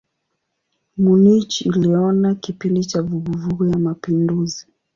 Munich iliona kipindi cha vuguvugu ya mapinduzi.